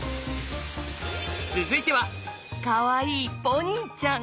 続いてはかわいいポニーちゃん。